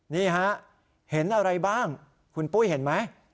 นี่ฮะเห็นอะไรบ้างคุณปุ้ยเห็นไหม